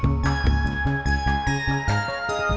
kenapa jalannya gak sampai sana